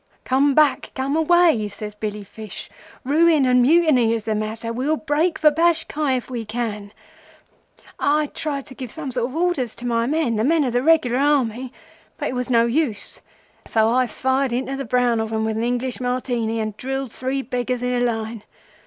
"'Come back! Come away!' says Billy Fish. 'Ruin and Mutiny is the matter. We'll break for Bashkai if we can.' "I tried to give some sort of orders to my men—the men o' the regular Army—but it was no use, so I fired into the brown of 'em with an English Martini and drilled three beggars in a line.